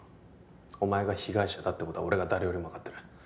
お前が被害者だってことは俺が誰よりも分かってる